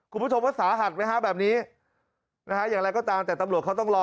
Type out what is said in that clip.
คุณผู้ชมว่าสาหัสไหมฮะแบบนี้นะฮะอย่างไรก็ตามแต่ตำรวจเขาต้องรอ